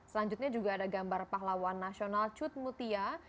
selanjutnya juga ada gambar pahlawan nasional cut mutia